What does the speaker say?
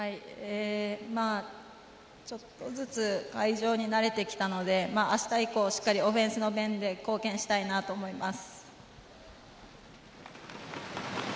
ちょっとずつ会場に慣れてきたので明日以降、オフェンスの面で貢献したいなと思います。